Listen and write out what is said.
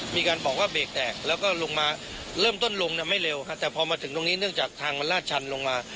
มีการบอกว่าเบรกแตกแล้วก็ลงมาเริ่มต้นลงไม่เร็วแต่พอมาถึงตรงนี้เนื่องจากทางมันลาดชันลงมา